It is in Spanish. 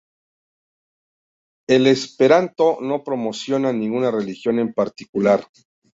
El esperanto no promociona ninguna religión en particular.